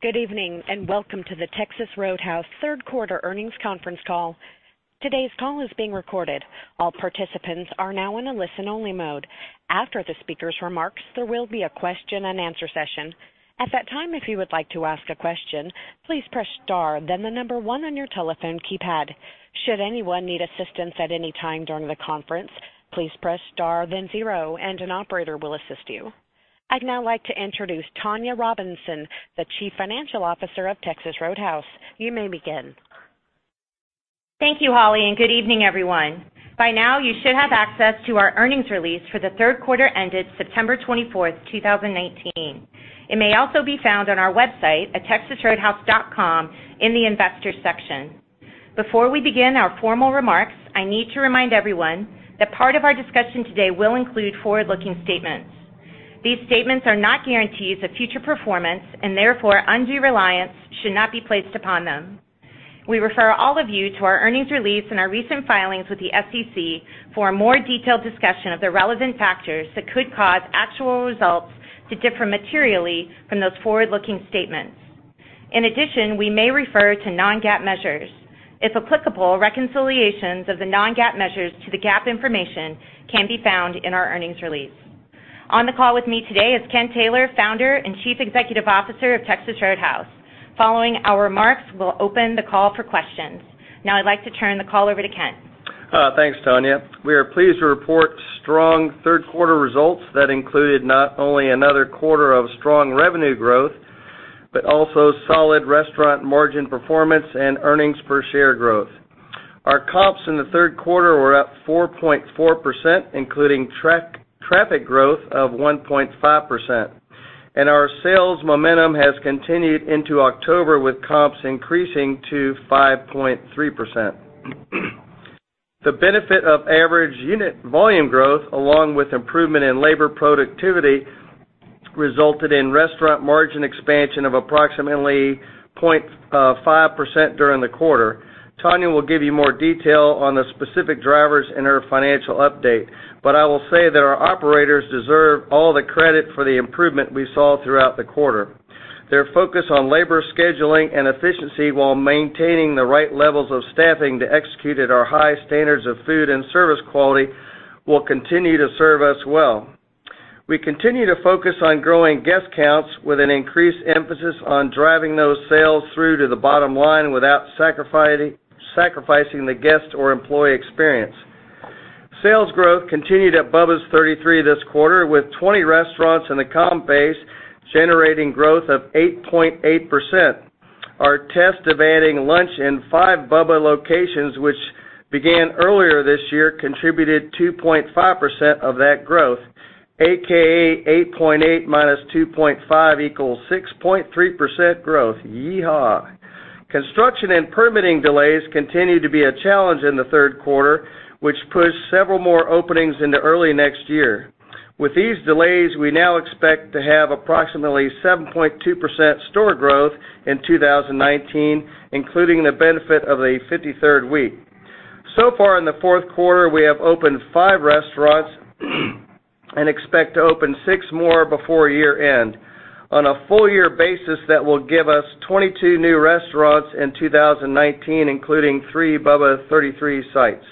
Good evening, and welcome to the Texas Roadhouse third quarter earnings conference call. Today's call is being recorded. All participants are now in a listen-only mode. After the speaker's remarks, there will be a question and answer session. At that time, if you would like to ask a question, please press star, then the number one on your telephone keypad. Should anyone need assistance at any time during the conference, please press star then zero, and an operator will assist you. I'd now like to introduce Tonya Robinson, the Chief Financial Officer of Texas Roadhouse. You may begin. Thank you, Holly, and good evening, everyone. By now, you should have access to our earnings release for the third quarter ended September 24th, 2019. It may also be found on our website at texasroadhouse.com in the Investors section. Before we begin our formal remarks, I need to remind everyone that part of our discussion today will include forward-looking statements. These statements are not guarantees of future performance, and therefore, undue reliance should not be placed upon them. We refer all of you to our earnings release and our recent filings with the SEC for a more detailed discussion of the relevant factors that could cause actual results to differ materially from those forward-looking statements. We may refer to non-GAAP measures. If applicable, reconciliations of the non-GAAP measures to the GAAP information can be found in our earnings release. On the call with me today is Kent Taylor, Founder and Chief Executive Officer of Texas Roadhouse. Following our remarks, we'll open the call for questions. Now I'd like to turn the call over to Kent. Thanks, Tonya. We are pleased to report strong third quarter results that included not only another quarter of strong revenue growth, but also solid restaurant margin performance and earnings per share growth. Our comps in the third quarter were up 4.4%, including traffic growth of 1.5%. Our sales momentum has continued into October, with comps increasing to 5.3%. The benefit of average unit volume growth, along with improvement in labor productivity, resulted in restaurant margin expansion of approximately 0.5% during the quarter. Tonya will give you more detail on the specific drivers in her financial update. I will say that our operators deserve all the credit for the improvement we saw throughout the quarter. Their focus on labor scheduling and efficiency while maintaining the right levels of staffing to execute at our high standards of food and service quality will continue to serve us well. We continue to focus on growing guest counts with an increased emphasis on driving those sales through to the bottom line without sacrificing the guest or employee experience. Sales growth continued at Bubba's 33 this quarter, with 20 restaurants in the comp base generating growth of 8.8%. Our test of adding lunch in five Bubba locations, which began earlier this year, contributed 2.5% of that growth, aka 8.8 minus 2.5 equals 6.3% growth. Yee-haw. Construction and permitting delays continued to be a challenge in the third quarter, which pushed several more openings into early next year. With these delays, we now expect to have approximately 7.2% store growth in 2019, including the benefit of a 53rd week. Far in the fourth quarter, we have opened five restaurants and expect to open six more before year-end. On a full year basis, that will give us 22 new restaurants in 2019, including three Bubba's 33 sites.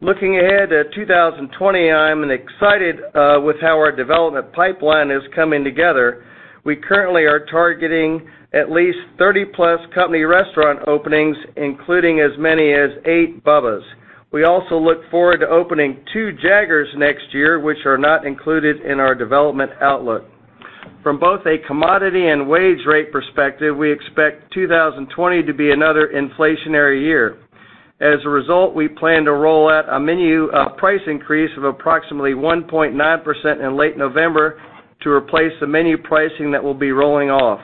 Looking ahead at 2020, I am excited with how our development pipeline is coming together. We currently are targeting at least 30-plus company restaurant openings, including as many as eight Bubba's. We also look forward to opening two Jaggers next year, which are not included in our development outlook. From both a commodity and wage rate perspective, we expect 2020 to be another inflationary year. As a result, we plan to roll out a price increase of approximately 1.9% in late November to replace the menu pricing that will be rolling off.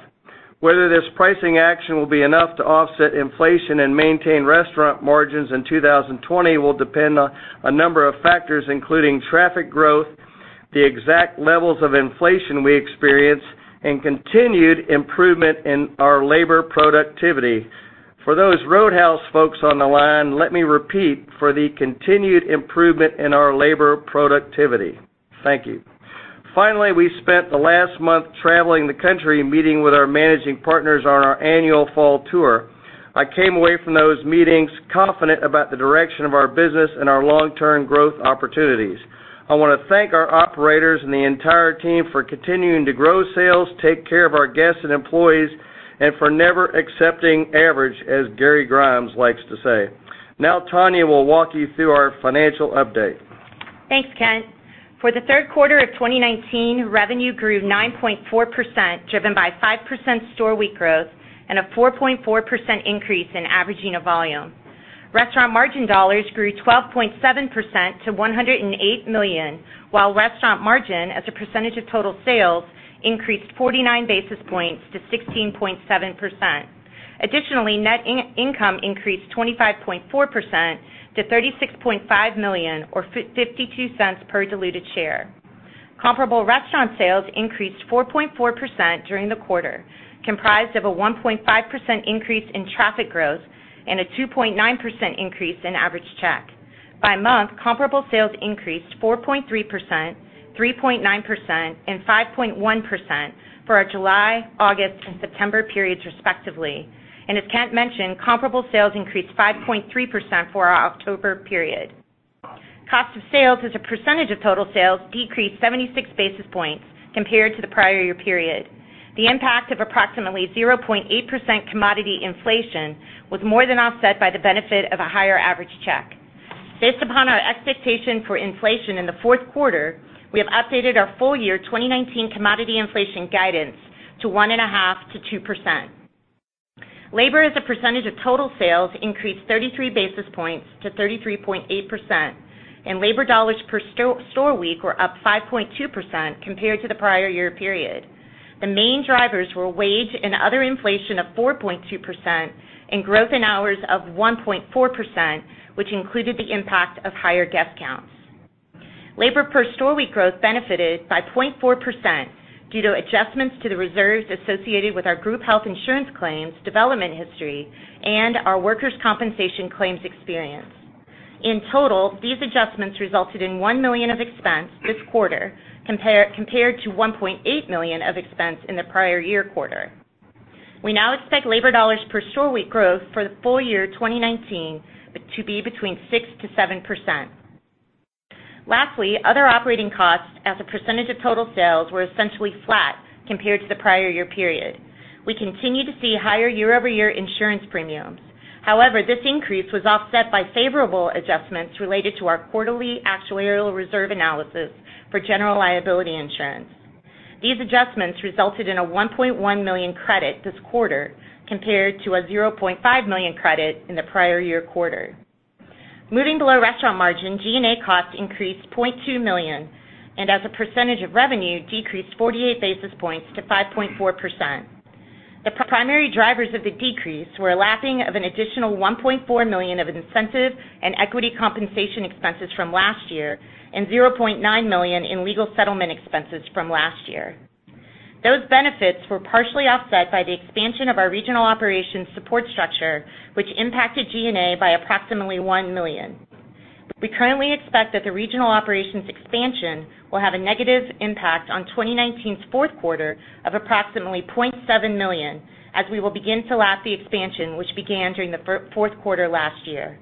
Whether this pricing action will be enough to offset inflation and maintain restaurant margins in 2020 will depend on a number of factors, including traffic growth, the exact levels of inflation we experience, and continued improvement in our labor productivity. For those Roadhouse folks on the line, let me repeat, for the continued improvement in our labor productivity. Thank you. Finally, we spent the last month traveling the country meeting with our managing partners on our annual fall tour. I came away from those meetings confident about the direction of our business and our long-term growth opportunities. I want to thank our operators and the entire team for continuing to grow sales, take care of our guests and employees, and for never accepting average, as Gary Grimes likes to say. Now Tonya will walk you through our financial update. Thanks, Kent. For the third quarter of 2019, revenue grew 9.4%, driven by 5% store week growth and a 4.4% increase in average unit volume. Restaurant margin dollars grew 12.7% to $108 million, while restaurant margin as a percentage of total sales increased 49 basis points to 16.7%. Additionally, net income increased 25.4% to $36.5 million or $0.52 per diluted share. Comparable restaurant sales increased 4.4% during the quarter, comprised of a 1.5% increase in traffic growth and a 2.9% increase in average check. By month, comparable sales increased 4.3%, 3.9%, and 5.1% for our July, August, and September periods respectively. As Kent mentioned, comparable sales increased 5.3% for our October period. Cost of sales as a percentage of total sales decreased 76 basis points compared to the prior year period. The impact of approximately 0.8% commodity inflation was more than offset by the benefit of a higher average check. Based upon our expectation for inflation in the fourth quarter, we have updated our full year 2019 commodity inflation guidance to 1.5%-2%. Labor as a percentage of total sales increased 33 basis points to 33.8%, and labor dollars per store week were up 5.2% compared to the prior year period. The main drivers were wage and other inflation of 4.2% and growth in hours of 1.4%, which included the impact of higher guest counts. Labor per store week growth benefited by 0.4% due to adjustments to the reserves associated with our group health insurance claims, development history, and our workers' compensation claims experience. In total, these adjustments resulted in $1 million of expense this quarter compared to $1.8 million of expense in the prior year quarter. We now expect labor dollars per store week growth for the full year 2019 to be between 6%-7%. Lastly, other operating costs as a percentage of total sales were essentially flat compared to the prior year period. We continue to see higher year-over-year insurance premiums. However, this increase was offset by favorable adjustments related to our quarterly actuarial reserve analysis for general liability insurance. These adjustments resulted in a $1.1 million credit this quarter compared to a $0.5 million credit in the prior year quarter. Moving below restaurant margin, G&A costs increased $0.2 million, and as a percentage of revenue, decreased 48 basis points to 5.4%. The primary drivers of the decrease were a lapping of an additional $1.4 million of incentive and equity compensation expenses from last year and $0.9 million in legal settlement expenses from last year. Those benefits were partially offset by the expansion of our regional operations support structure, which impacted G&A by approximately $1 million. We currently expect that the regional operations expansion will have a negative impact on 2019's fourth quarter of approximately $0.7 million, as we will begin to lap the expansion which began during the fourth quarter last year.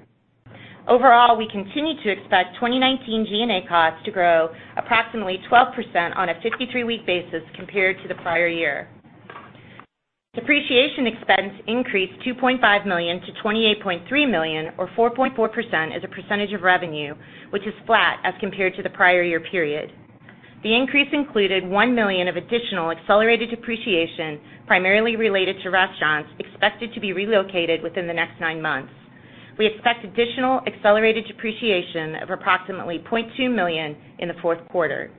We continue to expect 2019 G&A costs to grow approximately 12% on a 53-week basis compared to the prior year. Depreciation expense increased $2.5 million to $28.3 million or 4.4% as a percentage of revenue, which is flat as compared to the prior year period. The increase included $1 million of additional accelerated depreciation, primarily related to restaurants expected to be relocated within the next nine months. We expect additional accelerated depreciation of approximately $0.2 million in the fourth quarter.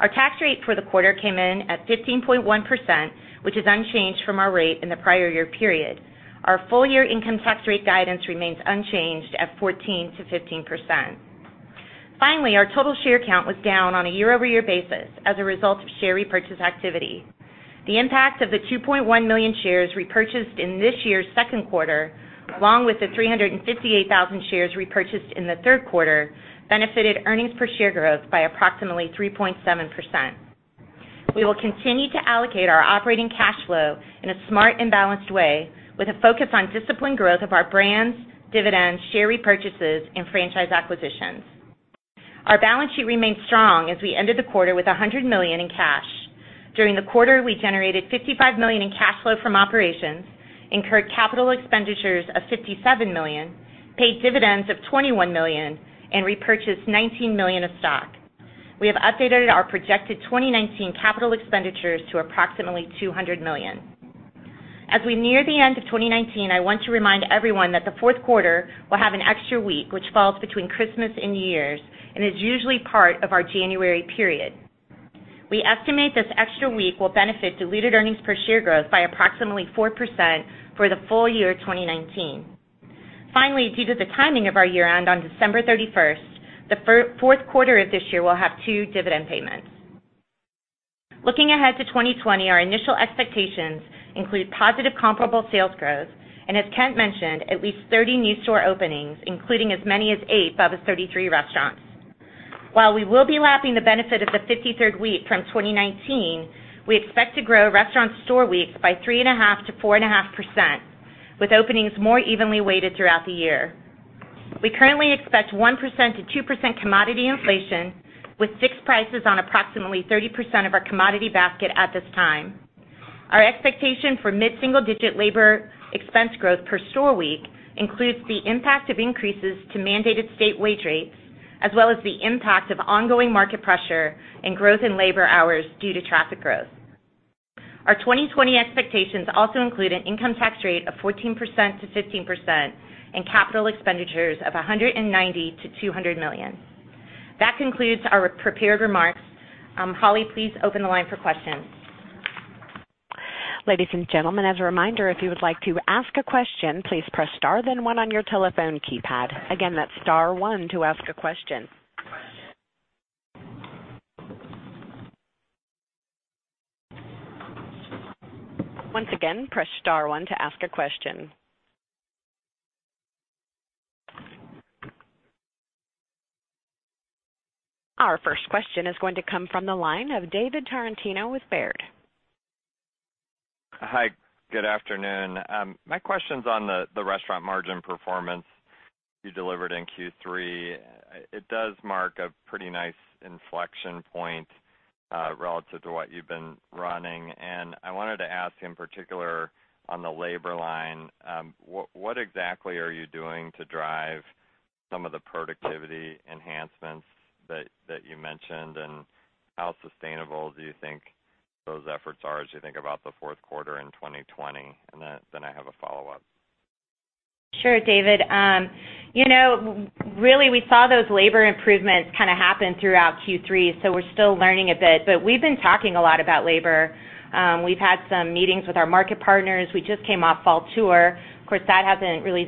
Our tax rate for the quarter came in at 15.1%, which is unchanged from our rate in the prior year period. Our full-year income tax rate guidance remains unchanged at 14%-15%. Our total share count was down on a year-over-year basis as a result of share repurchase activity. The impact of the 2.1 million shares repurchased in this year's second quarter, along with the 358,000 shares repurchased in the third quarter, benefited earnings per share growth by approximately 3.7%. We will continue to allocate our operating cash flow in a smart and balanced way, with a focus on disciplined growth of our brands, dividends, share repurchases, and franchise acquisitions. Our balance sheet remains strong as we ended the quarter with $100 million in cash. During the quarter, we generated $55 million in cash flow from operations, incurred capital expenditures of $57 million, paid dividends of $21 million, and repurchased $19 million of stock. We have updated our projected 2019 capital expenditures to approximately $200 million. As we near the end of 2019, I want to remind everyone that the fourth quarter will have an extra week, which falls between Christmas and New Year's and is usually part of our January period. We estimate this extra week will benefit diluted earnings per share growth by approximately 4% for the full year 2019. Finally, due to the timing of our year-end on December 31st, the fourth quarter of this year will have two dividend payments. Looking ahead to 2020, our initial expectations include positive comparable sales growth and, as Kent mentioned, at least 30 new store openings, including as many as eight Bubba's 33 restaurants. While we will be lapping the benefit of the 53rd week from 2019, we expect to grow restaurant store weeks by 3.5%-4.5%, with openings more evenly weighted throughout the year. We currently expect 1%-2% commodity inflation with fixed prices on approximately 30% of our commodity basket at this time. Our expectation for mid-single-digit labor expense growth per store week includes the impact of increases to mandated state wage rates, as well as the impact of ongoing market pressure and growth in labor hours due to traffic growth. Our 2020 expectations also include an income tax rate of 14%-15% and capital expenditures of $190 million-$200 million. That concludes our prepared remarks. Holly, please open the line for questions. Ladies and gentlemen, as a reminder, if you would like to ask a question, please press star then one on your telephone keypad. Again, that's star one to ask a question. Once again, press star one to ask a question. Our first question is going to come from the line of David Tarantino with Baird. Hi, good afternoon. My question's on the restaurant margin performance you delivered in Q3. It does mark a pretty nice inflection point, relative to what you've been running. I wanted to ask, in particular, on the labor line, what exactly are you doing to drive some of the productivity enhancements that you mentioned, and how sustainable do you think those efforts are as you think about the fourth quarter in 2020? I have a follow-up. Sure, David. Really, we saw those labor improvements kind of happen throughout Q3. We're still learning a bit. We've been talking a lot about labor. We've had some meetings with our market partners. We just came off fall tour. Of course,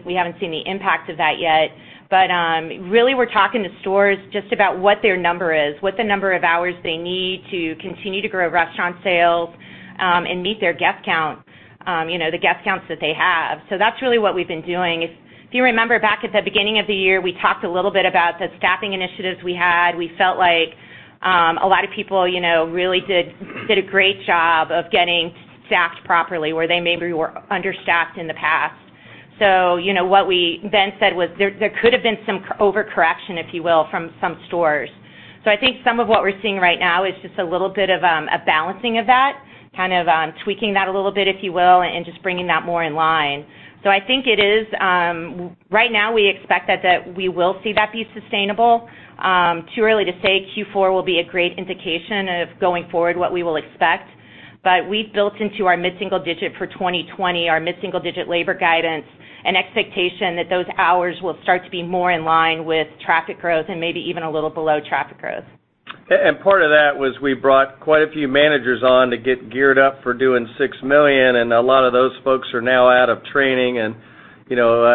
we haven't seen the impact of that yet. Really, we're talking to stores just about what their number is, what the number of hours they need to continue to grow restaurant sales, and meet their guest count, the guest counts that they have. That's really what we've been doing. If you remember back at the beginning of the year, we talked a little bit about the staffing initiatives we had. We felt like, a lot of people really did a great job of getting staffed properly where they maybe were understaffed in the past. What we then said was there could have been some overcorrection, if you will, from some stores. I think some of what we're seeing right now is just a little bit of a balancing of that, kind of tweaking that a little bit, if you will, and just bringing that more in line. I think right now we expect that we will see that be sustainable. Too early to say Q4 will be a great indication of going forward what we will expect. We've built into our mid-single digit for 2020, our mid-single digit labor guidance, an expectation that those hours will start to be more in line with traffic growth and maybe even a little below traffic growth. Part of that was we brought quite a few managers on to get geared up for doing 6 million, and a lot of those folks are now out of training and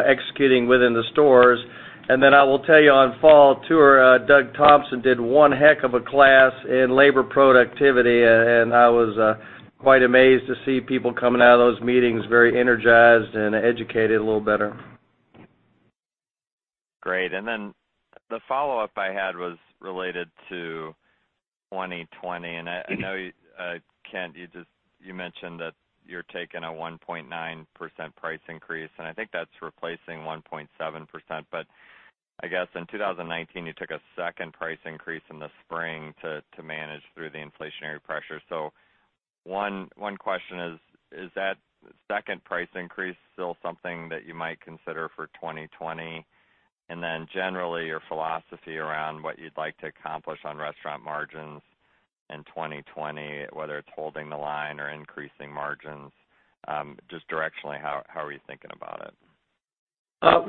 executing within the stores. I will tell you on fall tour, Doug Thompson did one heck of a class in labor productivity, and I was quite amazed to see people coming out of those meetings very energized and educated a little better. Great. The follow-up I had was related to 2020, I know, Kent, you mentioned that you're taking a 1.9% price increase, I think that's replacing 1.7%. I guess in 2019, you took a second price increase in the spring to manage through the inflationary pressure. One question is that second price increase still something that you might consider for 2020? Generally, your philosophy around what you'd like to accomplish on restaurant margins in 2020, whether it's holding the line or increasing margins, just directionally, how are you thinking about it?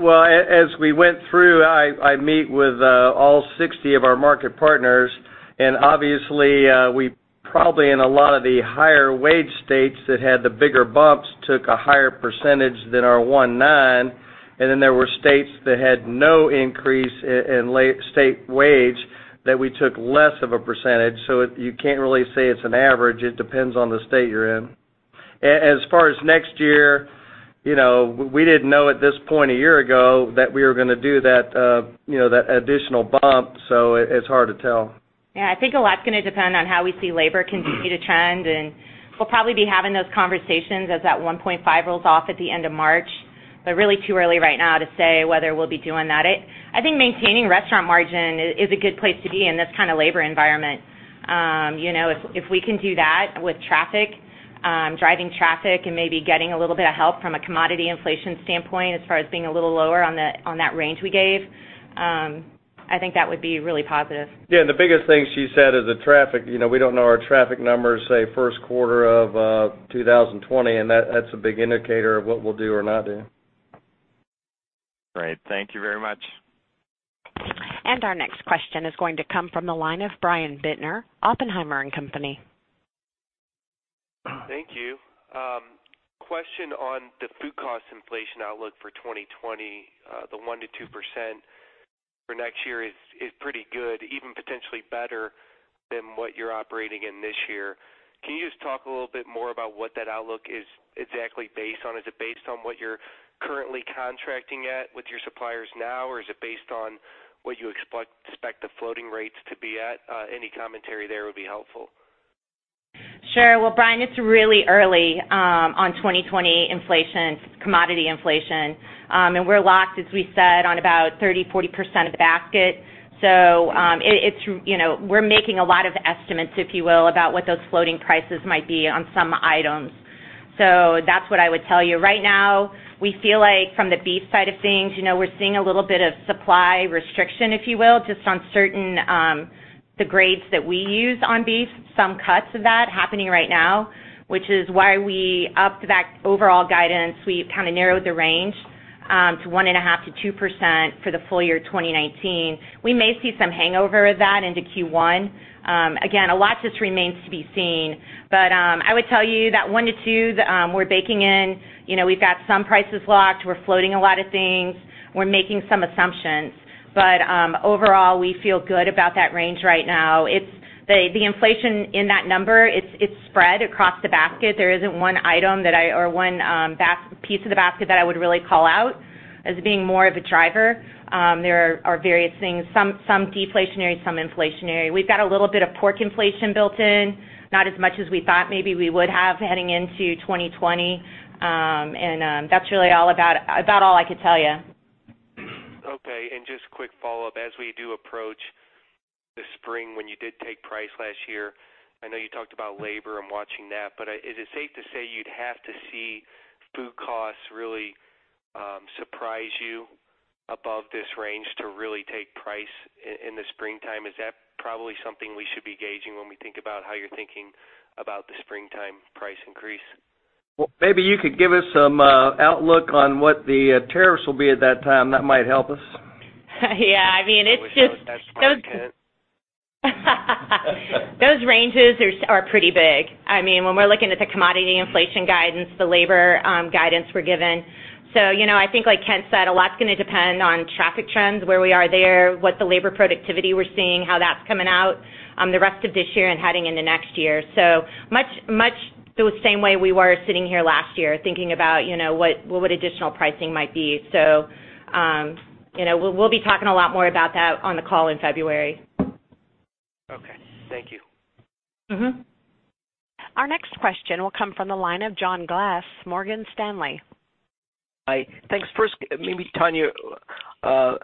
Well, as we went through, I meet with all 60 of our market partners, obviously, we probably in a lot of the higher wage states that had the bigger bumps, took a higher % than our one nine, then there were states that had no increase in state wage that we took less of a %. You can't really say it's an average. It depends on the state you're in. As far as next year, we didn't know at this point a year ago that we were going to do that additional bump, it's hard to tell. Yeah, I think a lot's going to depend on how we see labor continue to trend, and we'll probably be having those conversations as that 1.5 rolls off at the end of March. Really too early right now to say whether we'll be doing that. I think maintaining restaurant margin is a good place to be in this kind of labor environment. If we can do that with traffic, driving traffic and maybe getting a little bit of help from a commodity inflation standpoint as far as being a little lower on that range we gave, I think that would be really positive. Yeah, and the biggest thing she said is the traffic. We don't know our traffic numbers, say first quarter of 2020, and that's a big indicator of what we'll do or not do. Great. Thank you very much. Our next question is going to come from the line of Brian Bittner, Oppenheimer & Company. Thank you. Question on the food cost inflation outlook for 2020. The 1%-2% for next year is pretty good, even potentially better than what you're operating in this year. Can you just talk a little bit more about what that outlook is exactly based on? Is it based on what you're currently contracting at with your suppliers now, or is it based on what you expect the floating rates to be at? Any commentary there would be helpful. Well, Brian, it's really early on 2020 commodity inflation. We're locked, as we said, on about 30%-40% of the basket. We're making a lot of estimates, if you will, about what those floating prices might be on some items. That's what I would tell you. Right now, we feel like from the beef side of things, we're seeing a little bit of supply restriction, if you will, just on certain grades that we use on beef, some cuts of that happening right now, which is why we upped that overall guidance. We've kind of narrowed the range, to 1.5%-2% for the full year 2019. We may see some hangover of that into Q1. Again, a lot just remains to be seen. I would tell you that 1%-2% we're baking in. We've got some prices locked. We're floating a lot of things. We're making some assumptions. Overall, we feel good about that range right now. The inflation in that number, it's spread across the basket. There isn't one item or one piece of the basket that I would really call out as being more of a driver. There are various things, some deflationary, some inflationary. We've got a little bit of pork inflation built in, not as much as we thought maybe we would have heading into 2020. That's really about all I could tell you. Okay. Just quick follow-up, as we do approach the spring, when you did take price last year, I know you talked about labor and watching that, but is it safe to say you'd have to see food costs really surprise you above this range to really take price in the springtime? Is that probably something we should be gauging when we think about how you're thinking about the springtime price increase? Well, maybe you could give us some outlook on what the tariffs will be at that time. That might help us. Yeah. I wish I had that smart, Kent. Those ranges are pretty big, when we're looking at the commodity inflation guidance, the labor guidance we're given. I think like Kent said, a lot's going to depend on traffic trends, where we are there, what the labor productivity we're seeing, how that's coming out, the rest of this year and heading into next year, much the same way we were sitting here last year thinking about what would additional pricing might be. We'll be talking a lot more about that on the call in February. Okay. Thank you. Our next question will come from the line of John Glass, Morgan Stanley. Hi. Thanks. First, maybe Tonya,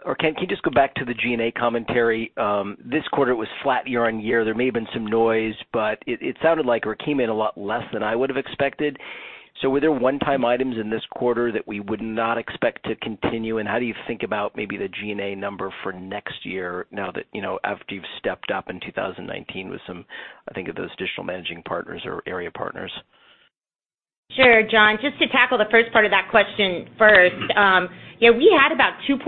or Kent, can you just go back to the G&A commentary? This quarter was flat year-on-year. There may have been some noise, but it sounded like, or it came in a lot less than I would've expected. Were there one-time items in this quarter that we would not expect to continue? How do you think about maybe the G&A number for next year, after you've stepped up in 2019 with some, I think those additional managing partners or area partners? Sure, John. Just to tackle the first part of that question first. We had about $2.6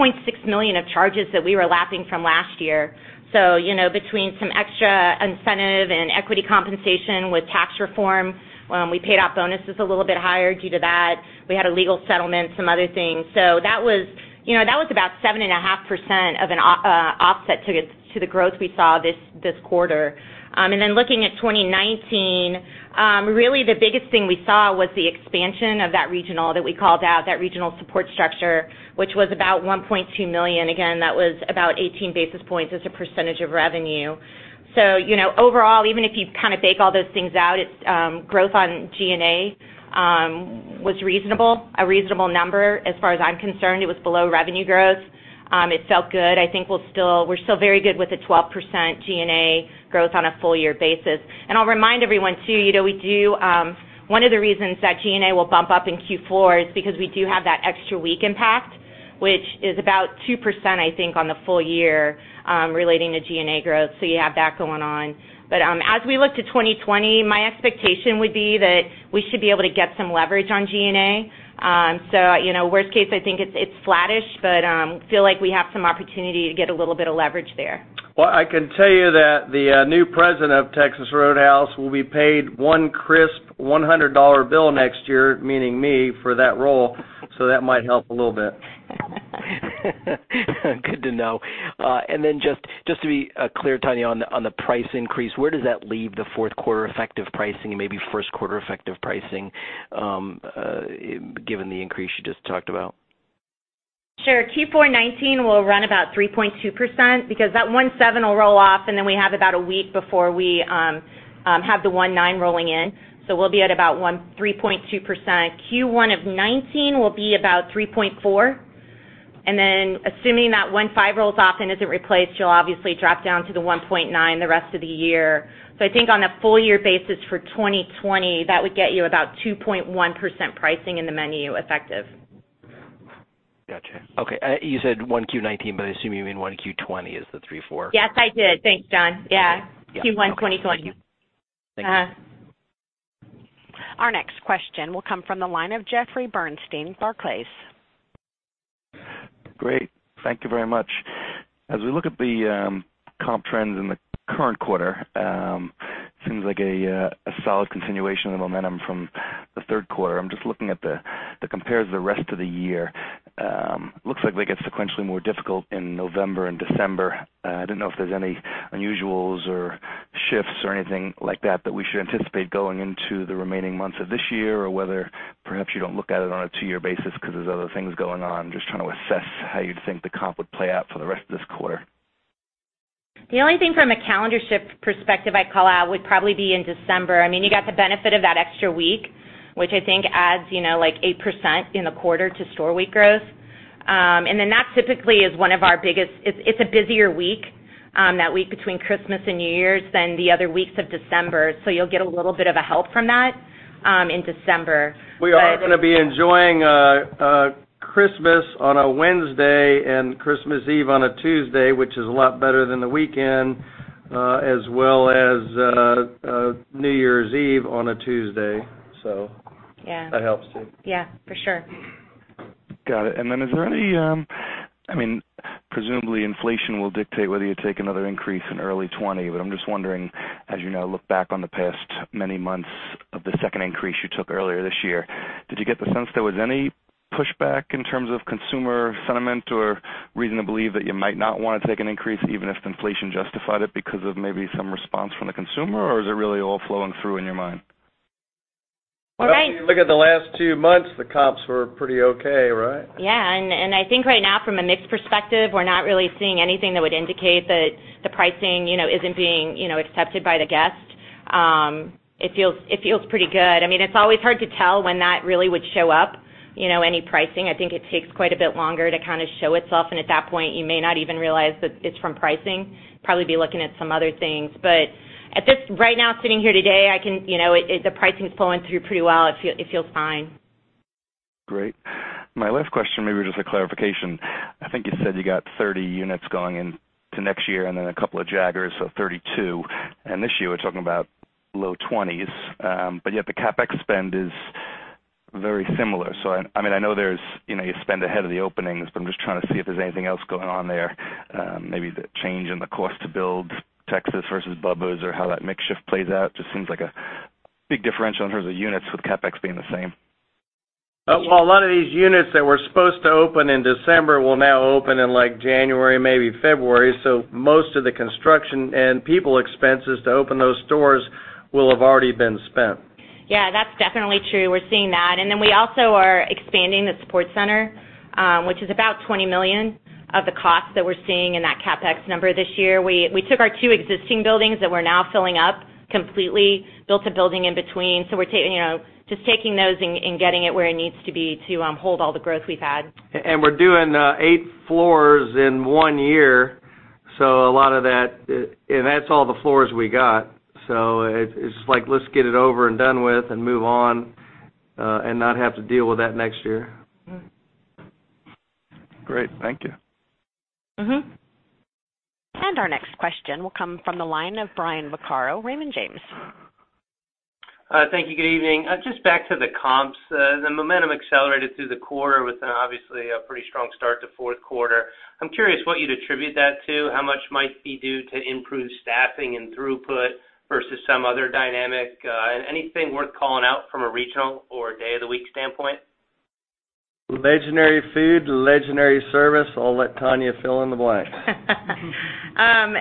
million of charges that we were lapping from last year. Between some extra incentive and equity compensation with tax reform, we paid out bonuses a little bit higher due to that. We had a legal settlement, some other things. That was about 7.5% of an offset to the growth we saw this quarter. Looking at 2019, really the biggest thing we saw was the expansion of that regional that we called out, that regional support structure, which was about $1.2 million. Again, that was about 18 basis points as a percentage of revenue. Overall, even if you bake all those things out, its growth on G&A was a reasonable number. As far as I'm concerned, it was below revenue growth. It felt good. I think we're still very good with the 12% G&A growth on a full year basis. I'll remind everyone too, one of the reasons that G&A will bump up in Q4 is because we do have that extra week impact, which is about 2%, I think, on the full year, relating to G&A growth. You have that going on. As we look to 2020, my expectation would be that we should be able to get some leverage on G&A. Worst case, I think it's flattish, but feel like we have some opportunity to get a little bit of leverage there. Well, I can tell you that the new president of Texas Roadhouse will be paid one crisp $100 bill next year, meaning me, for that role, so that might help a little bit. Good to know. Just to be clear, Tonya, on the price increase, where does that leave the fourth quarter effective pricing and maybe first quarter effective pricing, given the increase you just talked about? Sure. Q4 2019 will run about 3.2% because that 1.7 will roll off. Then we have about a week before we have the 1.9 rolling in, so we'll be at about 3.2%. Q1 of 2019 will be about 3.4. Then assuming that 1.5 rolls off and isn't replaced, you'll obviously drop down to the 1.9 the rest of the year. I think on a full year basis for 2020, that would get you about 2.1% pricing in the menu effective. Got you. Okay. You said 1Q '19, but I assume you mean 1Q '20 is the 3.4. Yes, I did. Thanks, John. Yeah. Okay. Yeah. Q1 2020. Thank you. Our next question will come from the line of Jeffrey Bernstein, Barclays. Great. Thank you very much. As we look at the comp trends in the current quarter, it seems like a solid continuation of the momentum from the third quarter. I'm just looking at the compares to the rest of the year. Looks like they get sequentially more difficult in November and December. I didn't know if there's any unusuals or shifts or anything like that we should anticipate going into the remaining months of this year, or whether perhaps you don't look at it on a two-year basis because there's other things going on. Just trying to assess how you'd think the comp would play out for the rest of this quarter. The only thing from a calendar shift perspective I'd call out would probably be in December. You got the benefit of that extra week, which I think adds, 8% in the quarter to store week growth. That typically it's a busier week, that week between Christmas and New Year's than the other weeks of December. You'll get a little bit of a help from that, in December. We are going to be enjoying Christmas on a Wednesday and Christmas Eve on a Tuesday, which is a lot better than the weekend, as well as New Year's Eve on a Tuesday. Yeah that helps too. Yeah, for sure. Got it. Presumably, inflation will dictate whether you take another increase in early 2020, but I'm just wondering, as you now look back on the past many months of the second increase you took earlier this year, did you get the sense there was any pushback in terms of consumer sentiment or reason to believe that you might not want to take an increase even if inflation justified it because of maybe some response from the consumer? Is it really all flowing through in your mind? Well, if you look at the last two months, the comps were pretty okay, right? I think right now from a mix perspective, we're not really seeing anything that would indicate that the pricing isn't being accepted by the guests. It feels pretty good. It's always hard to tell when that really would show up, any pricing. I think it takes quite a bit longer to show itself, and at that point, you may not even realize that it's from pricing. Probably be looking at some other things. Right now, sitting here today, the pricing's flowing through pretty well. It feels fine. Great. My last question, maybe just a clarification. I think you said you got 30 units going into next year and then a couple of Jaggers, so 32. This year, we're talking about low 20s. Yet the CapEx spend is very similar. I know you spend ahead of the openings, but I'm just trying to see if there's anything else going on there. Maybe the change in the cost to build Texas versus Bubba's or how that mix shift plays out. Seems like a big differential in terms of units with CapEx being the same. Well, a lot of these units that were supposed to open in December will now open in January, maybe February. Most of the construction and people expenses to open those stores will have already been spent. Yeah, that's definitely true. We're seeing that. We also are expanding the support center, which is about $20 million of the cost that we're seeing in that CapEx number this year. We took our two existing buildings that we're now filling up completely, built a building in between. We're just taking those and getting it where it needs to be to hold all the growth we've had. We're doing eight floors in one year, and that's all the floors we got. It's like, let's get it over and done with and move on, and not have to deal with that next year. Great. Thank you. Our next question will come from the line of Brian Vaccaro, Raymond James. Thank you. Good evening. Just back to the comps. The momentum accelerated through the quarter with obviously a pretty strong start to fourth quarter. I'm curious what you'd attribute that to, how much might be due to improved staffing and throughput versus some other dynamic. Anything worth calling out from a regional or day of the week standpoint? Legendary food, legendary service. I'll let Tonya fill in the blanks.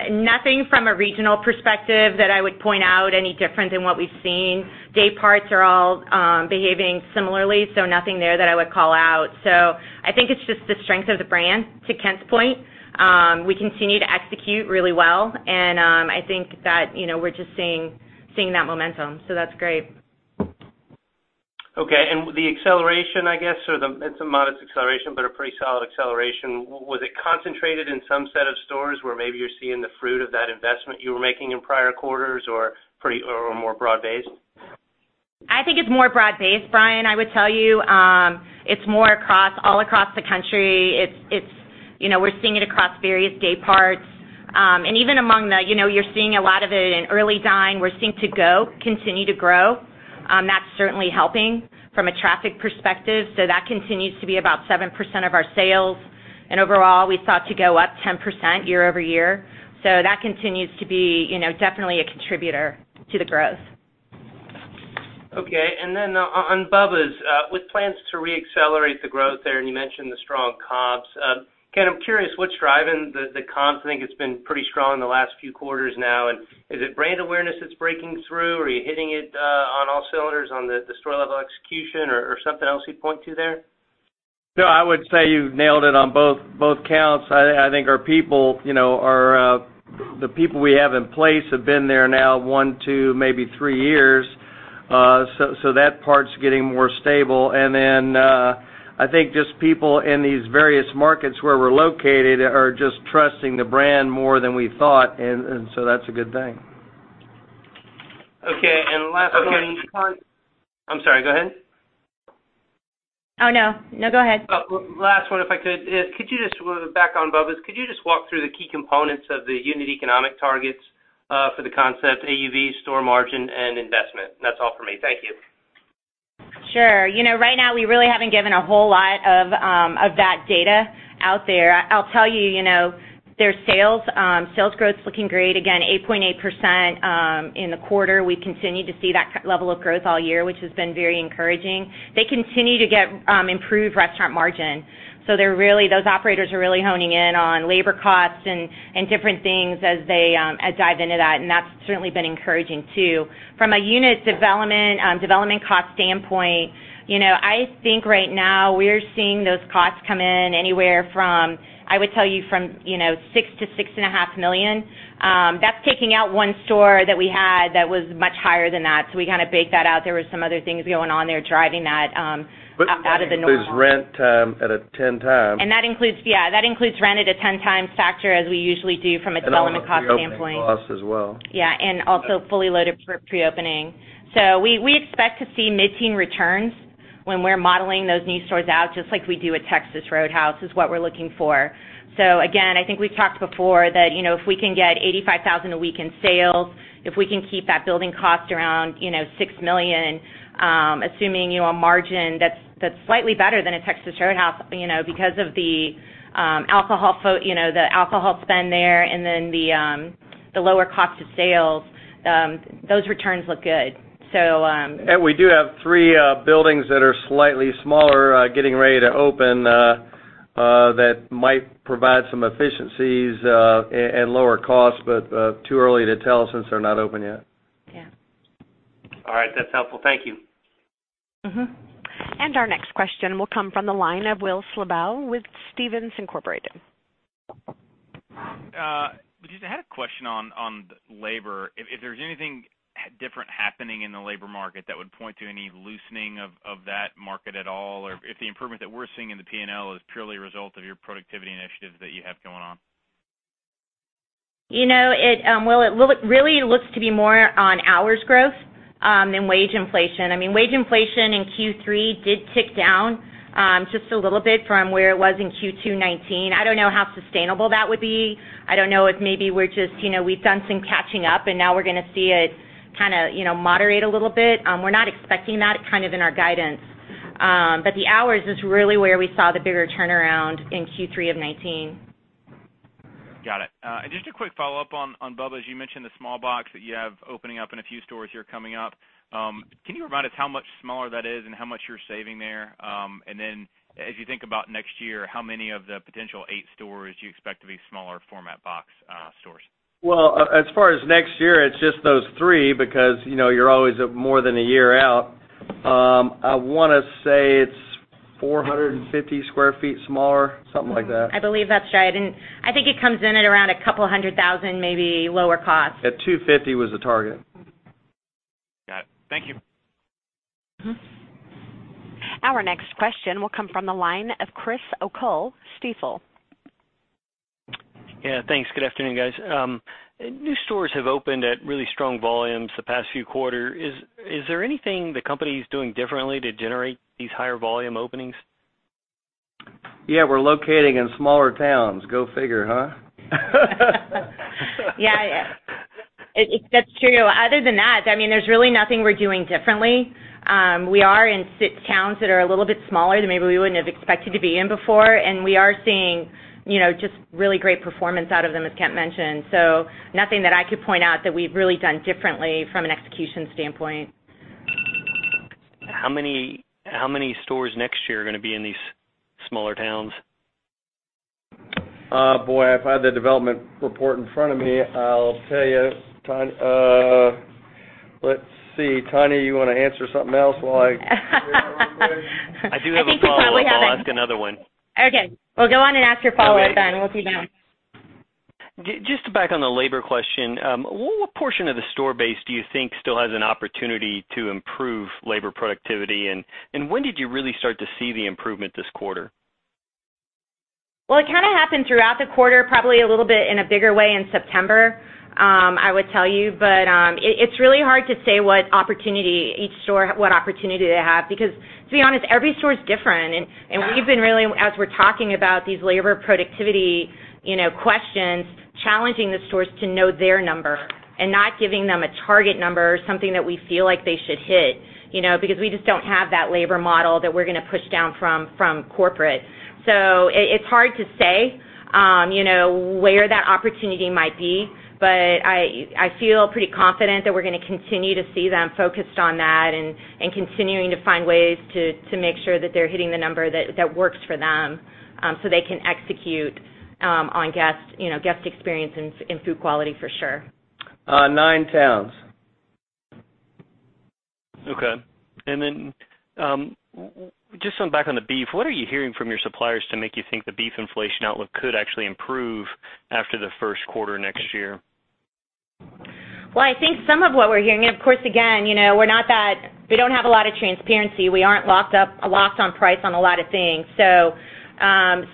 Nothing from a regional perspective that I would point out any different than what we've seen. Day parts are all behaving similarly, nothing there that I would call out. I think it's just the strength of the brand, to Kent's point. We continue to execute really well, and I think that we're just seeing that momentum. That's great. Okay. The acceleration, I guess, it's a modest acceleration, but a pretty solid acceleration. Was it concentrated in some set of stores where maybe you're seeing the fruit of that investment you were making in prior quarters or more broad-based? I think it's more broad-based, Brian. I would tell you, it's more all across the country. We're seeing it across various dayparts. You're seeing a lot of it in early dine. We're seeing to-go continue to grow. That's certainly helping from a traffic perspective. That continues to be about 7% of our sales. Overall, we thought to go up 10% year-over-year. That continues to be definitely a contributor to the growth. Okay. On Bubba's, with plans to re-accelerate the growth there. You mentioned the strong comps. Kent, I'm curious what's driving the comps? I think it's been pretty strong in the last few quarters now. Is it brand awareness that's breaking through? Are you hitting it on all cylinders on the store level execution or something else you'd point to there? No, I would say you nailed it on both counts. I think the people we have in place have been there now one, two, maybe three years. That part's getting more stable. I think just people in these various markets where we're located are just trusting the brand more than we thought. That's a good thing. Okay. Okay. I'm sorry, go ahead. Oh, no. No, go ahead. Last one, if I could. Back on Bubba's, could you just walk through the key components of the unit economic targets for the concept AUV store margin and investment? That's all for me. Thank you. Sure. Right now, we really haven't given a whole lot of that data out there. I'll tell you, their sales growth's looking great again, 8.8% in the quarter. We continue to see that level of growth all year, which has been very encouraging. They continue to get improved restaurant margin. Those operators are really honing in on labor costs and different things as they dive into that, and that's certainly been encouraging, too. From a unit development cost standpoint, I think right now we're seeing those costs come in anywhere from $6 million-$6.5 million. That's taking out one store that we had that was much higher than that. We kind of baked that out. There were some other things going on there driving that out of the normal. That includes rent at a 10 time. Yeah, that includes rent at a 10 times factor as we usually do from a development cost standpoint. All of the opening costs as well. Also fully loaded for pre-opening. We expect to see mid-teen returns when we're modeling those new stores out, just like we do at Texas Roadhouse, is what we're looking for. Again, I think we've talked before that if we can get $85,000 a week in sales, if we can keep that building cost around $6 million, assuming a margin that's slightly better than a Texas Roadhouse because of the alcohol spend there and then the lower cost of sales. Those returns look good. We do have three buildings that are slightly smaller, getting ready to open, that might provide some efficiencies and lower costs, but too early to tell since they're not open yet. Yeah. All right. That's helpful. Thank you. Our next question will come from the line of Will Slabough with Stephens Inc. Just had a question on labor. If there's anything different happening in the labor market that would point to any loosening of that market at all, or if the improvement that we're seeing in the P&L is purely a result of your productivity initiatives that you have going on. It really looks to be more on hours growth than wage inflation. Wage inflation in Q3 did tick down just a little bit from where it was in Q2 2019. I don't know how sustainable that would be. I don't know if maybe we've done some catching up, and now we're going to see it moderate a little bit. We're not expecting that in our guidance. The hours is really where we saw the bigger turnaround in Q3 of 2019. Got it. Just a quick follow-up on Bubba's, you mentioned the small box that you have opening up in a few stores here coming up. Can you remind us how much smaller that is and how much you're saving there? Then as you think about next year, how many of the potential eight stores do you expect to be smaller format box stores? Well, as far as next year, it's just those three because you're always more than a year out. I want to say it's 450 sq ft smaller, something like that. I believe that's right. I think it comes in at around $ a couple hundred thousand, maybe, lower cost. At $250 was the target. Got it. Thank you. Our next question will come from the line of Chris O'Cull, Stifel. Yeah, thanks. Good afternoon, guys. New stores have opened at really strong volumes the past few quarters. Is there anything the company's doing differently to generate these higher volume openings? Yeah. We're locating in smaller towns. Go figure, huh? Yeah. That's true. Other than that, there's really nothing we're doing differently. We are in six towns that are a little bit smaller than maybe we wouldn't have expected to be in before, and we are seeing just really great performance out of them, as Kent mentioned. Nothing that I could point out that we've really done differently from an execution standpoint. How many stores next year are going to be in these smaller towns? Boy, if I had the development report in front of me, I'll tell you. Let's see. Tonya, you want to answer something else while I look at it real quick? I think you probably have it. I do have a follow-up. I'll ask another one. Okay. Well, go on and ask your follow-up then, we'll see then. Just to back on the labor question. What portion of the store base do you think still has an opportunity to improve labor productivity? When did you really start to see the improvement this quarter? It happened throughout the quarter, probably a little bit in a bigger way in September, I would tell you. It's really hard to say what opportunity each store, what opportunity they have because, to be honest, every store is different. We've been really, as we're talking about these labor productivity questions, challenging the stores to know their number and not giving them a target number or something that we feel like they should hit because we just don't have that labor model that we're going to push down from corporate. It's hard to say where that opportunity might be, but I feel pretty confident that we're going to continue to see them focused on that and continuing to find ways to make sure that they're hitting the number that works for them, so they can execute on guest experience and food quality for sure. Nine towns. Okay. Just something back on the beef. What are you hearing from your suppliers to make you think the beef inflation outlook could actually improve after the first quarter next year? Well, I think some of what we're hearing, of course, again, we don't have a lot of transparency. We aren't locked on price on a lot of things.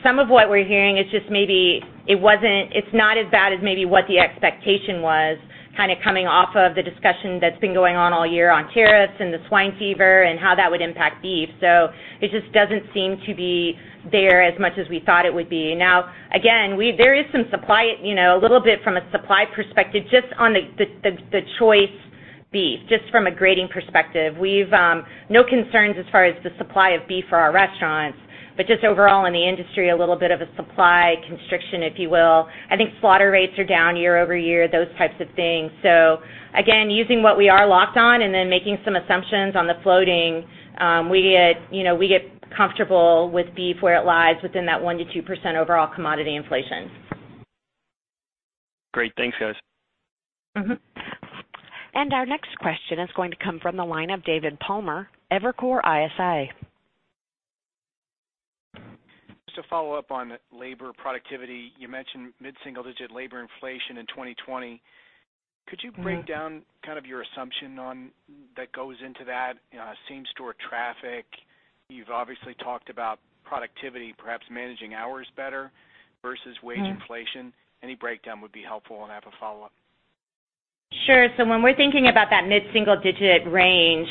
Some of what we're hearing, it's not as bad as maybe what the expectation was coming off of the discussion that's been going on all year on tariffs and the swine fever and how that would impact beef. It just doesn't seem to be there as much as we thought it would be. Now, again, there is some supply, a little bit from a supply perspective, just on the choice beef, just from a grading perspective. We've no concerns as far as the supply of beef for our restaurants, just overall in the industry, a little bit of a supply constriction, if you will. I think slaughter rates are down year-over-year, those types of things. Again, using what we are locked on and then making some assumptions on the floating, we get comfortable with beef where it lies within that 1%-2% overall commodity inflation. Great. Thanks, guys. Our next question is going to come from the line of David Palmer, Evercore ISI. Just to follow up on labor productivity. You mentioned mid-single digit labor inflation in 2020. Could you break down your assumption that goes into that same store traffic? You've obviously talked about productivity, perhaps managing hours better versus wage inflation. Any breakdown would be helpful, and I have a follow-up. Sure. When we're thinking about that mid-single digit range,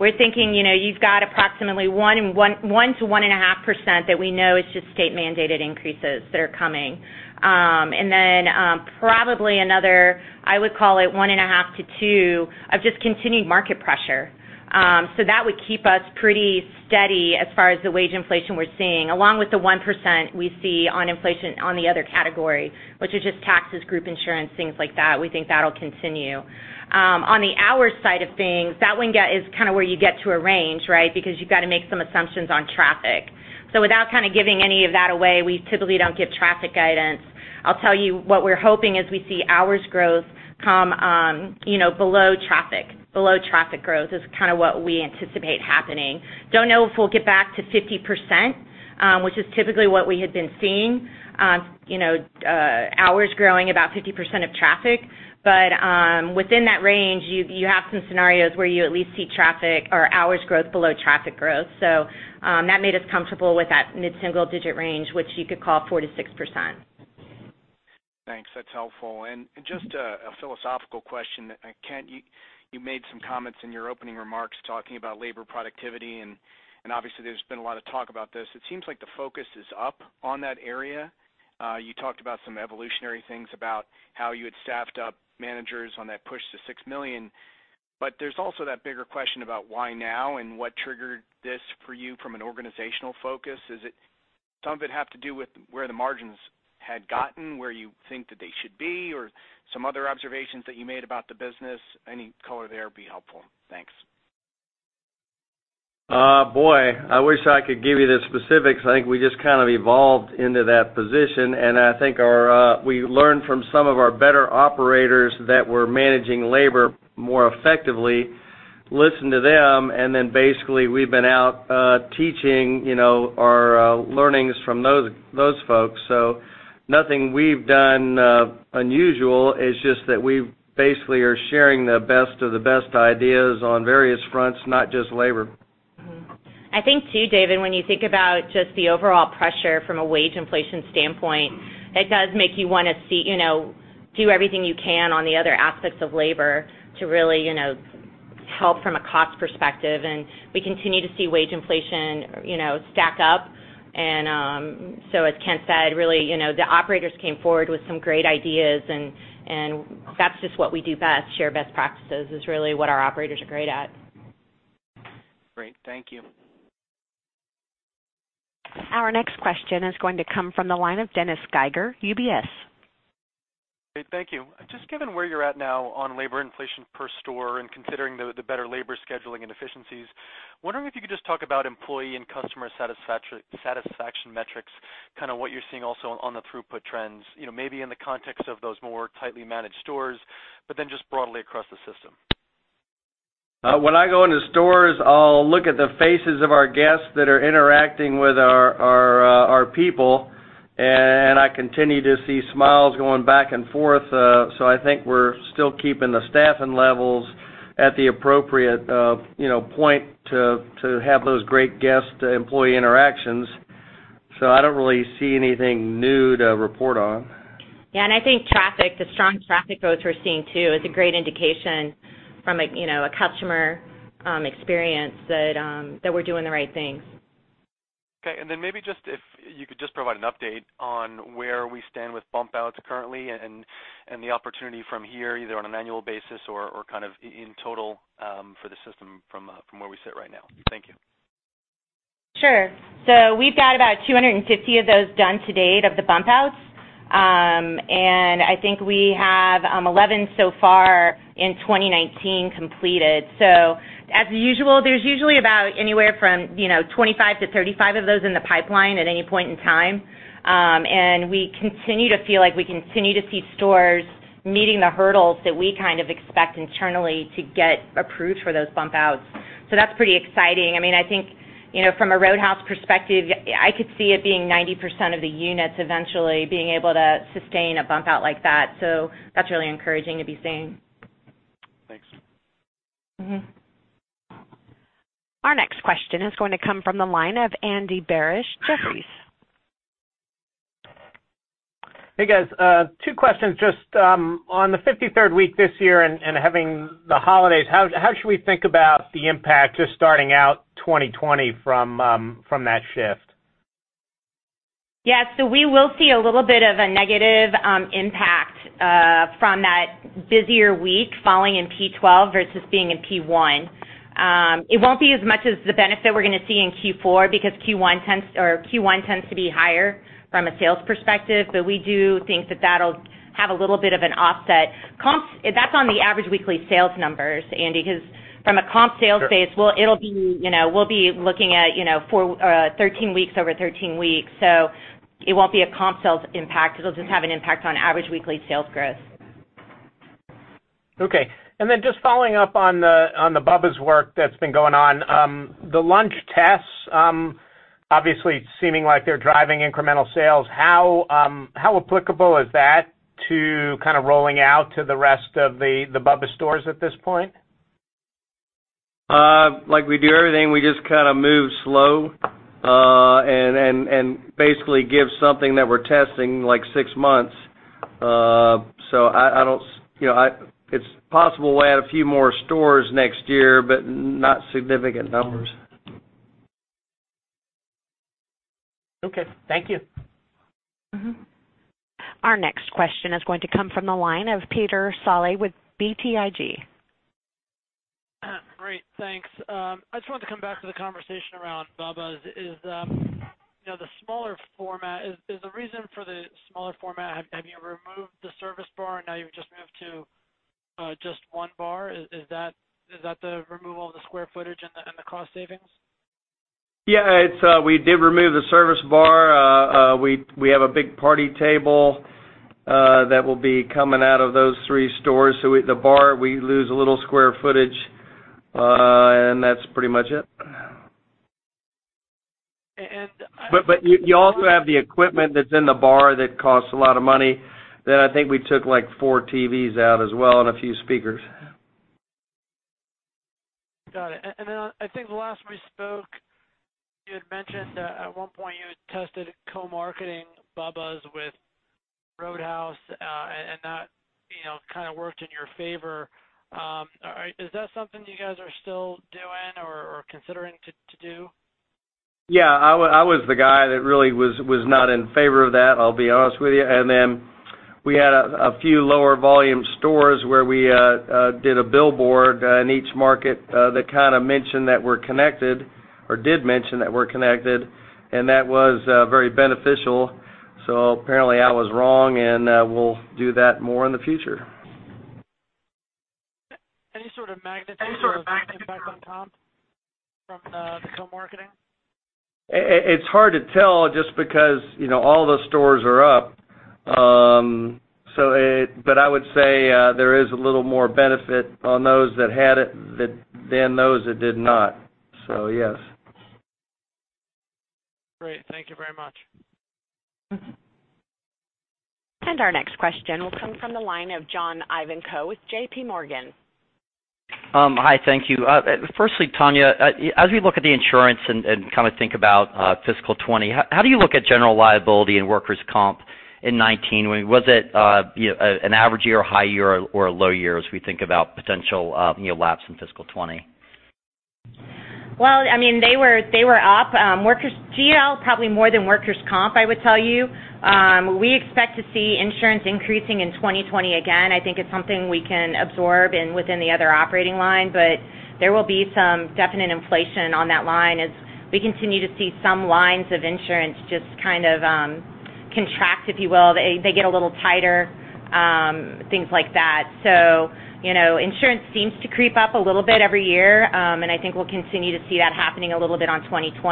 we're thinking you've got approximately 1%-1.5% that we know is just state mandated increases that are coming. Then probably another, I would call it 1.5%-2% of just continued market pressure. That would keep us pretty steady as far as the wage inflation we're seeing, along with the 1% we see on inflation on the other category, which is just taxes, group insurance, things like that. We think that'll continue. On the hours side of things, that one is where you get to a range, because you've got to make some assumptions on traffic. Without giving any of that away, we typically don't give traffic guidance. I'll tell you what we're hoping is we see hours growth come below traffic growth, is kind of what we anticipate happening. Don't know if we'll get back to 50%, which is typically what we had been seeing, hours growing about 50% of traffic. Within that range, you have some scenarios where you at least see hours growth below traffic growth. That made us comfortable with that mid-single digit range, which you could call 4%-6%. Thanks. That's helpful. Just a philosophical question. Kent, you made some comments in your opening remarks talking about labor productivity, and obviously, there's been a lot of talk about this. It seems like the focus is up on that area. You talked about some evolutionary things about how you had staffed up managers on that push to 6 million, but there's also that bigger question about why now and what triggered this for you from an organizational focus. Does some of it have to do with where the margins had gotten, where you think that they should be, or some other observations that you made about the business? Any color there would be helpful. Thanks. Boy, I wish I could give you the specifics. I think we just evolved into that position, and I think we learned from some of our better operators that were managing labor more effectively, listened to them, and then basically, we've been out teaching our learnings from those folks. Nothing we've done unusual. It's just that we basically are sharing the best of the best ideas on various fronts, not just labor. I think, too, David, when you think about just the overall pressure from a wage inflation standpoint, it does make you want to do everything you can on the other aspects of labor to really help from a cost perspective. We continue to see wage inflation stack up. As Kent said, really, the operators came forward with some great ideas, and that's just what we do best, share best practices, is really what our operators are great at. Great. Thank you. Our next question is going to come from the line of Dennis Geiger, UBS. Great. Thank you. Just given where you're at now on labor inflation per store and considering the better labor scheduling and efficiencies, wondering if you could just talk about employee and customer satisfaction metrics, what you're seeing also on the throughput trends, maybe in the context of those more tightly managed stores, but then just broadly across the system. When I go into stores, I'll look at the faces of our guests that are interacting with our people, and I continue to see smiles going back and forth. I think we're still keeping the staffing levels at the appropriate point to have those great guest-to-employee interactions. I don't really see anything new to report on. Yeah, I think the strong traffic growth we're seeing, too, is a great indication from a customer experience that we're doing the right things. Okay, maybe if you could just provide an update on where we stand with bump outs currently and the opportunity from here, either on an annual basis or in total for the system from where we sit right now. Thank you. Sure. We've got about 250 of those done to date of the bump outs. I think we have 11 so far in 2019 completed. As usual, there's usually about anywhere from 25-35 of those in the pipeline at any point in time. We continue to feel like we continue to see stores meeting the hurdles that we expect internally to get approved for those bump outs. That's pretty exciting. I think from a Roadhouse perspective, I could see it being 90% of the units eventually being able to sustain a bump out like that. That's really encouraging to be seeing. Thanks. Our next question is going to come from the line of Andy Barish, Jefferies. Hey, guys. Two questions. Just on the 53rd week this year and having the holidays, how should we think about the impact just starting out 2020 from that shift? Yeah, we will see a little bit of a negative impact from that busier week falling in P12 versus being in P1. It won't be as much as the benefit we're going to see in Q4 because Q1 tends to be higher from a sales perspective, but we do think that that'll have a little bit of an offset. That's on the average weekly sales numbers, Andy, because from a comp sales base. Sure We'll be looking at 13 weeks over 13 weeks. It won't be a comp sales impact. It'll just have an impact on average weekly sales growth. Okay. Just following up on the Bubba's work that's been going on. The lunch tests obviously seeming like they're driving incremental sales. How applicable is that to rolling out to the rest of the Bubba's stores at this point? Like we do everything, we just move slow, and basically give something that we're testing six months. It's possible we'll add a few more stores next year, but not significant numbers. Okay. Thank you. Our next question is going to come from the line of Peter Saleh with BTIG. Great, thanks. I just wanted to come back to the conversation around Bubba's. Is the reason for the smaller format, have you removed the service bar, and now you've just moved to just one bar? Is that the removal of the square footage and the cost savings? Yeah. We did remove the service bar. We have a big party table that will be coming out of those three stores. With the bar, we lose a little square footage, and that's pretty much it. And- You also have the equipment that's in the bar that costs a lot of money. I think we took four TVs out as well, and a few speakers. Got it. I think the last we spoke, you had mentioned that at one point you had tested co-marketing Bubba's with Roadhouse, and that kind of worked in your favor. Is that something you guys are still doing or considering to do? Yeah. I was the guy that really was not in favor of that, I'll be honest with you. Then we had a few lower volume stores where we did a billboard in each market that kind of mentioned that we're connected, or did mention that we're connected, and that was very beneficial. Apparently, I was wrong, and we'll do that more in the future. Any sort of magnitude impact on comp from the co-marketing? It's hard to tell just because all the stores are up. I would say there is a little more benefit on those that had it than those that did not. Yes. Great. Thank you very much. Our next question will come from the line of John Ivankoe with J.P. Morgan. Hi, thank you. Firstly, Tonya, as we look at the insurance and kind of think about fiscal 2020, how do you look at general liability and workers' comp in 2019? Was it an average year, a high year, or a low year as we think about potential lapse in fiscal 2020? Well, they were up. GL probably more than workers' comp, I would tell you. We expect to see insurance increasing in 2020 again. I think it's something we can absorb and within the other operating line. There will be some definite inflation on that line as we continue to see some lines of insurance just kind of contract, if you will. They get a little tighter, things like that. Insurance seems to creep up a little bit every year, and I think we'll continue to see that happening a little bit on 2020.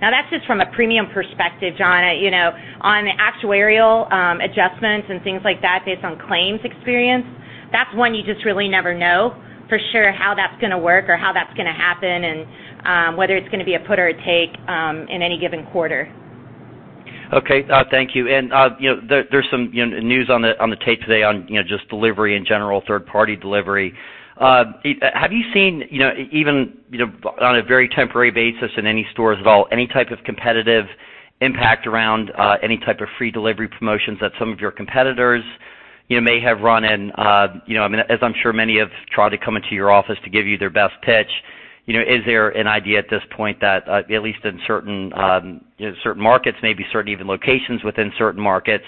That's just from a premium perspective, John. On actuarial adjustments and things like that based on claims experience, that's one you just really never know for sure how that's going to work or how that's going to happen and whether it's going to be a put or a take in any given quarter. There's some news on the tape today on just delivery in general, third-party delivery. Have you seen, even on a very temporary basis in any stores at all, any type of competitive impact around any type of free delivery promotions that some of your competitors may have run? I'm sure many have tried to come into your office to give you their best pitch. Is there an idea at this point that, at least in certain markets, maybe certain even locations within certain markets,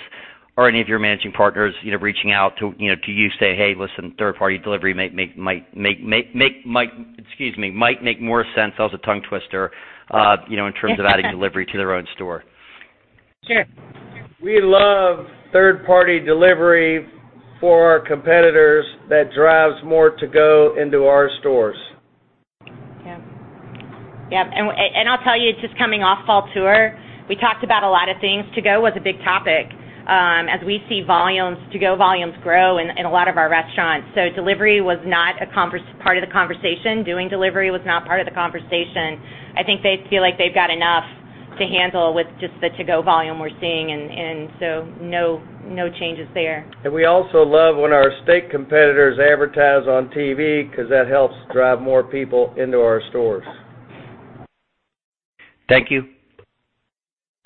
are any of your managing partners reaching out to you say, "Hey, listen, third-party delivery might make more sense," that was a tongue twister, "in terms of adding delivery to their own store? Sure. We love third party delivery for our competitors that drives more to-go into our stores. Yeah. I'll tell you, just coming off fall tour, we talked about a lot of things. To-go was a big topic, as we see to-go volumes grow in a lot of our restaurants. Delivery was not part of the conversation. Doing delivery was not part of the conversation. I think they feel like they've got enough to handle with just the to-go volume we're seeing, no changes there. We also love when our steak competitors advertise on TV because that helps drive more people into our stores. Thank you.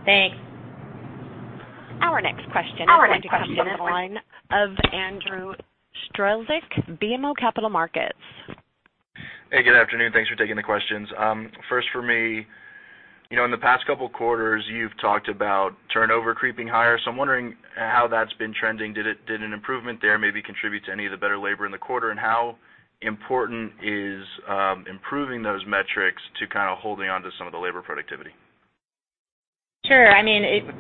Thanks. Our next question is going to come from the line of Andrew Strelzik, BMO Capital Markets. Hey, good afternoon. Thanks for taking the questions. First for me, in the past couple of quarters, you've talked about turnover creeping higher. I'm wondering how that's been trending. Did an improvement there maybe contribute to any of the better labor in the quarter? How important is improving those metrics to kind of holding on to some of the labor productivity? Sure.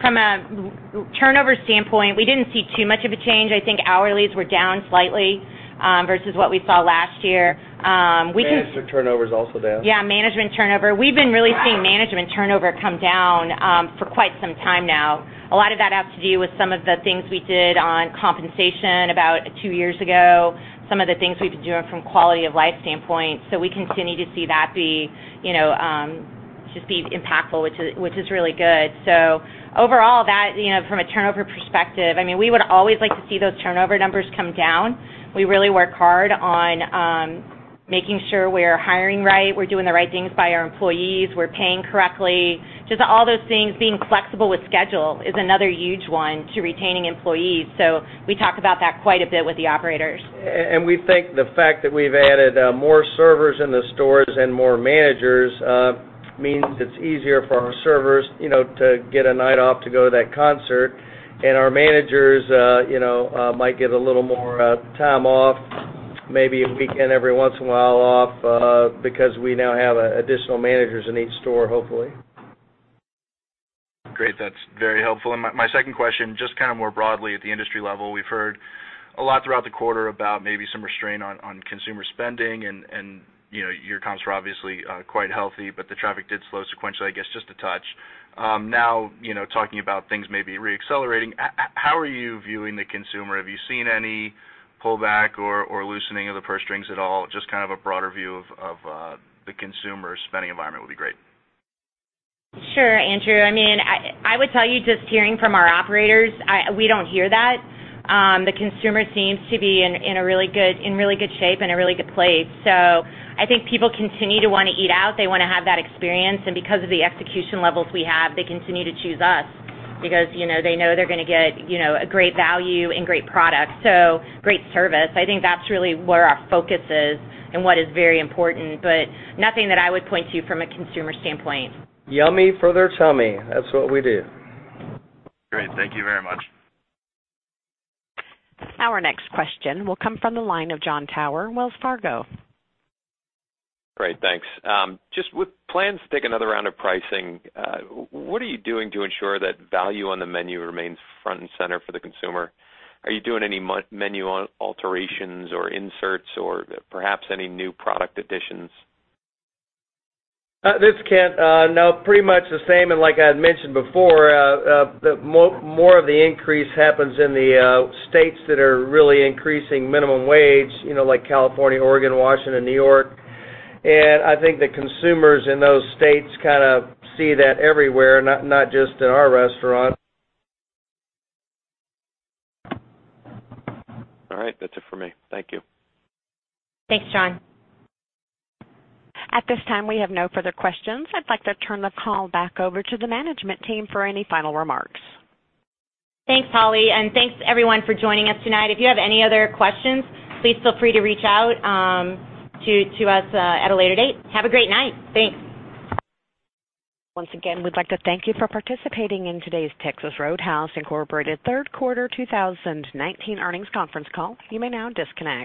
From a turnover standpoint, we didn't see too much of a change. I think hourlies were down slightly, versus what we saw last year. Management turnover is also down. Yeah, management turnover. We've been really seeing management turnover come down for quite some time now. A lot of that has to do with some of the things we did on compensation about two years ago, some of the things we've been doing from quality of life standpoint. We continue to see that just be impactful, which is really good. Overall, from a turnover perspective, we would always like to see those turnover numbers come down. We really work hard on making sure we're hiring right, we're doing the right things by our employees, we're paying correctly. Just all those things. Being flexible with schedule is another huge one to retaining employees. We talk about that quite a bit with the operators. We think the fact that we've added more servers in the stores and more managers means it's easier for our servers to get a night off to go to that concert, and our managers might get a little more time off, maybe a weekend every once in a while off, because we now have additional managers in each store, hopefully. Great. That's very helpful. My second question, just more broadly at the industry level, we've heard a lot throughout the quarter about maybe some restraint on consumer spending, your comps were obviously quite healthy, but the traffic did slow sequentially, I guess, just a touch. Talking about things maybe re-accelerating, how are you viewing the consumer? Have you seen any pullback or loosening of the purse strings at all? Just a broader view of the consumer spending environment would be great. Sure, Andrew. I would tell you, just hearing from our operators, we don't hear that. The consumer seems to be in really good shape and a really good place. I think people continue to want to eat out. They want to have that experience. Because of the execution levels we have, they continue to choose us because they know they're going to get a great value and great product, so great service. I think that's really where our focus is and what is very important, but nothing that I would point to from a consumer standpoint. Yummy for their tummy. That's what we do. Great. Thank you very much. Our next question will come from the line of Jon Tower, Wells Fargo. Great. Thanks. Just with plans to take another round of pricing, what are you doing to ensure that value on the menu remains front and center for the consumer? Are you doing any menu alterations or inserts or perhaps any new product additions? This is Kent. No, pretty much the same. Like I had mentioned before, more of the increase happens in the states that are really increasing minimum wage, like California, Oregon, Washington, New York. I think the consumers in those states kind of see that everywhere, not just at our restaurant. All right. That's it for me. Thank you. Thanks, John. At this time, we have no further questions. I'd like to turn the call back over to the management team for any final remarks. Thanks, Holly, and thanks everyone for joining us tonight. If you have any other questions, please feel free to reach out to us at a later date. Have a great night. Thanks. Once again, we'd like to thank you for participating in today's Texas Roadhouse, Inc. third quarter 2019 earnings conference call. You may now disconnect.